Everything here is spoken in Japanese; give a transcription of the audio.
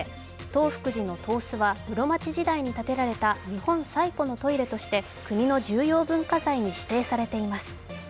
東福寺の東司は室町時代に建てられた日本最古のトイレとして国の重要文化財に指定されています。